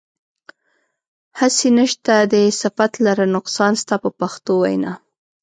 هسې نشته دی صفت لره نقصان ستا په پښتو وینا.